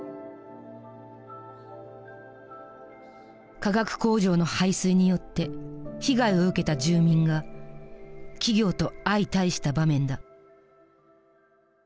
化学工場の排水によって被害を受けた住民が企業と相対した場面だ。